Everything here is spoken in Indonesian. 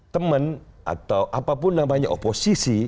teman atau apapun namanya oposisi